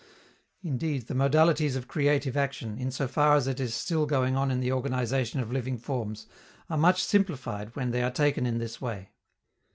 Indeed, the modalities of creative action, in so far as it is still going on in the organization of living forms, are much simplified when they are taken in this way.